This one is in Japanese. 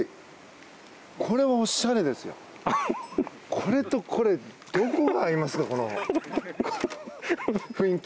これとこれ、どこが合いますかこの雰囲気。